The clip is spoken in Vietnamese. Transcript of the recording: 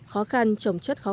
khó khăn chống chất khóa